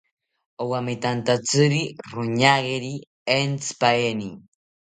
Owametanthatziri roñageri entzipaeni